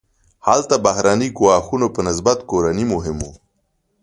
هلته بهرنیو ګواښونو په نسبت کورني مهم وو.